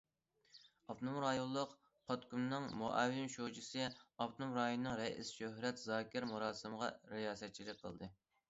ئاپتونوم رايونلۇق پارتكومنىڭ مۇئاۋىن شۇجىسى، ئاپتونوم رايوننىڭ رەئىسى شۆھرەت زاكىر مۇراسىمغا رىياسەتچىلىك قىلدى.